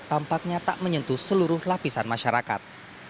tampaknya tak menyentuh seluruh lapisan masyarakat